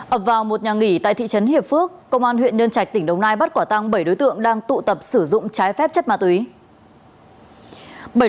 ập vào một nhà nghỉ tại thị trấn hiệp phước công an huyện nhân trạch tỉnh đồng nai bắt quả tăng bảy đối tượng đang tụ tập sử dụng trái phép chất ma túy